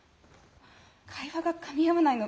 会話がかみ合わないの。